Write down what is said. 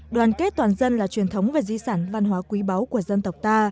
đoàn kết toàn dân là truyền thống và di sản văn hóa quý báu của dân tộc ta